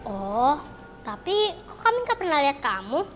oh tapi kok kami gak pernah lihat kamu